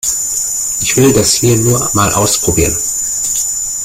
Ich will das hier nur mal ausprobieren.